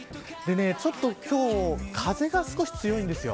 ちょっと今日は風が少し強いんです。